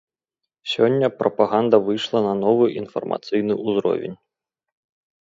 Сёння прапаганда выйшла на новы, інфармацыйны ўзровень.